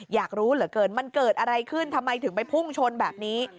อยากรู้เหลือเกินมันเกิดอะไรขึ้นทำไมถึงไปพุ่งชนแบบนี้